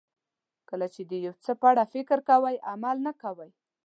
کله چې د یو څه په اړه فکر کوئ عمل نه کوئ.